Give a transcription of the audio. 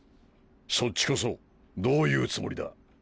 そっちこそどういうつもりだ？